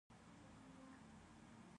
د خوند د حس د ورکیدو لپاره باید څه وکړم؟